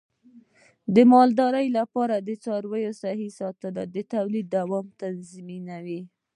د مالدارۍ لپاره د څارویو صحي ساتنه د تولید دوام تضمینوي.